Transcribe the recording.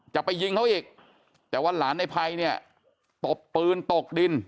จะไปยิงเขาอีกแต่ว่าหลานในภัยเนี่ยตบปืนตกดิน